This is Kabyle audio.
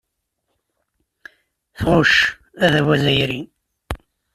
Tɣucc adabu azzayri.